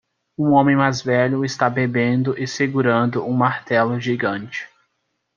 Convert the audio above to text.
Um homem mais velho está bebendo e segurando um martelo gigante.